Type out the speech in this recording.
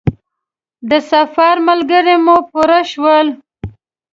د سفر ملګري مو پوره شول.